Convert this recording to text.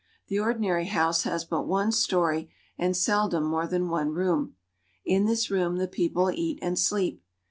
The ordinary house has but one story, and seldom more than one room. In this room the people eat and sleep.